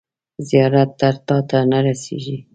زیارت تر تاته نه رسیږي.